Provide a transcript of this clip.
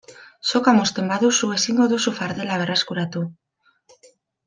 Soka mozten baduzu ezingo dugu fardela berreskuratu.